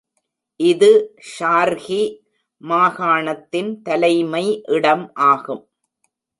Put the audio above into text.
இது ஷார்கி மாகாணத்தின் தலைமை இடம் ஆகும்.